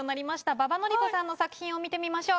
馬場典子さんの作品を見てみましょう。